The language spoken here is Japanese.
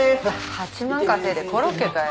８万稼いでコロッケかよ。